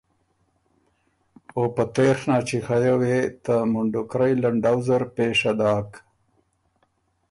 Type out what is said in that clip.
او په تېڒ ناچیخئ یه وې ته مُنډُکرئ لنډؤ زر پېشه داک